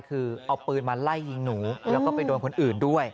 คือเอาปืนมาไล่ยิงหนูแล้วก็ไปโดนคนอื่นด้วย